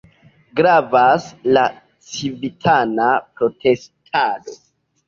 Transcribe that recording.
Gravas la civitana protestado.